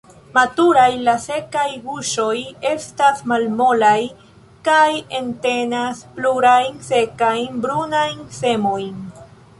Maturaj, la sekaj guŝoj estas malmolaj kaj entenas plurajn, sekajn, brunajn semojn.